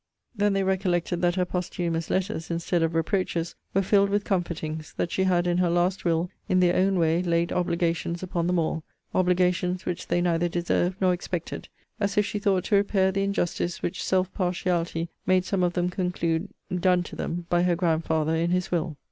Then they recollected that her posthumous letters, instead of reproaches, were filled with comfortings: that she had in her last will, in their own way, laid obligations upon them all; obligations which they neither deserved nor expected; as if she thought to repair the injustice which self partiality made some of them conclude done to them by her grandfather in his will.